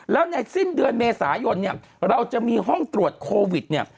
แล้วในสิ้นเดือนเมษายนเนี่ยเราจะมีห้องตรวจโควิดเนี่ย